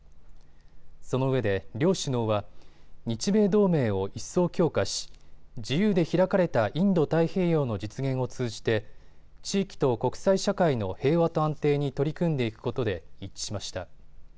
そのうえで両首脳は日米同盟を一層強化し、自由で開かれたインド太平洋の実現を通じて地域と国際社会の平和と安定に取り組んでいくことで一致しました。